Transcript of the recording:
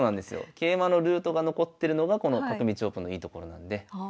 桂馬のルートが残ってるのがこの角道オープンのいいところなんで。